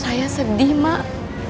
saya sedih mak